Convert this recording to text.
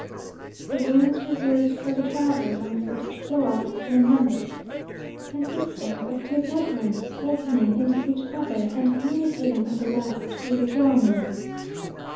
The rooms reserved for the travellers on the first floor were three in number; consisting of two bedrooms opening into each other, and communicating on the left with a drawing room.